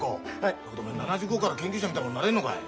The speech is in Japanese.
だけどおめえ７５から研究者みたいなものになれんのかい？